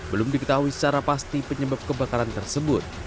belum diketahui secara pasti penyebab kebakaran tersebut